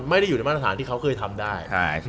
ไม่ได้อยู่ในมาตรฐานที่เขาเคยทำได้